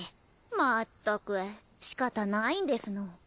まったくしかたないんですの。